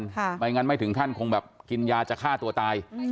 ไม่งั้นไม่ถึงขั้นคงแบบกินยาจะฆ่าตัวตาย